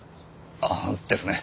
ああですね。